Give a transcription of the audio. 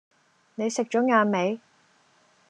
你食左晏未？